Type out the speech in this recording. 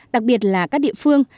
đặc biệt là các địa phương